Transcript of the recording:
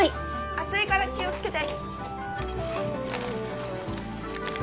熱いから気を付けて。